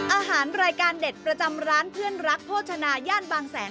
รายการเด็ดประจำร้านเพื่อนรักโภชนาย่านบางแสน